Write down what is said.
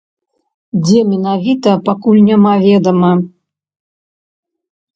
Дзе менавіта, пакуль няма ведама.